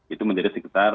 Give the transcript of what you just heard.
itu menjadi sekitar